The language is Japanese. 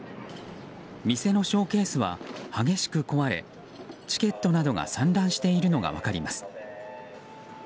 店のショーケースは激しく壊れチケットなどが散乱しているのが分かります。